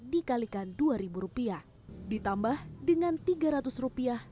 dikalikan dua ribu rupiah ditambah dengan tiga ratus rupiah